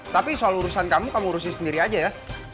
tapi soal urusan kamu kamu ngurusin sendiri aja ya